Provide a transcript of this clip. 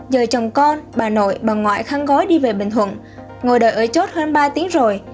giờ chồng con bà nội bằng ngoại kháng gói đi về bình thuận ngồi đợi ở chốt hơn ba tiếng rồi